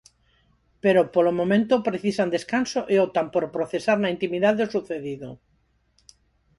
Pero, polo momento, precisan descanso e optan por procesar na intimidade o sucedido.